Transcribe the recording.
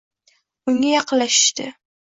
unga yaqinlashishdi.